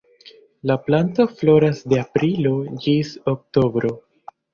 La planto floras de aprilo ĝis oktobro.